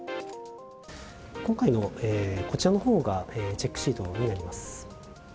今回のこちらのほうがチェックシートになります。